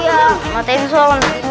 iya mau tipe sulung